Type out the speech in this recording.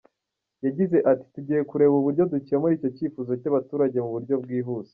Yagize ati “Tugiye kureba uburyo dukemura icyo cyifuzo cy’abaturage mu buryo bwihuse.